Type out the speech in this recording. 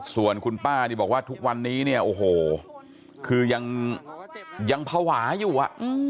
ส่วนคุณป้านี่บอกว่าทุกวันนี้เนี่ยโอ้โหคือยังภาวะอยู่อ่ะ